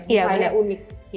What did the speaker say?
iya benar benar unik